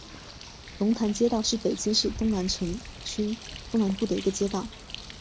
龙潭街道是北京市东城区东南部的一个街道。